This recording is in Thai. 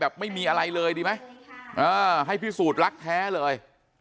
ไม่มีอะไรเลยดีไหมให้พิสูจน์รักแท้เลย